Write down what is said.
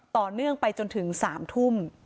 ต่อเนื่องไปจนถึง๓ทุ่ม